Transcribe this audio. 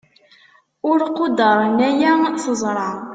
ur quddren ayen teẓṛa